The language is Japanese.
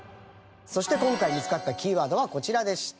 そして今回見つかったキーワードはこちらでした。